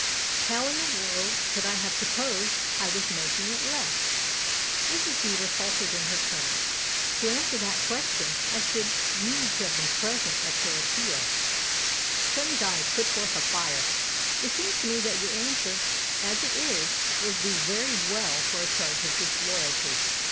" How in the world could I have supposed 1 was making it less ?" Mrs. Beever faltered in her turn. " To answer that question I should need to have been present at your appeal." Tony's eyes put forth a fire. " It seems to me that your answer, as it is, will do very well for a. charge of disloyalty.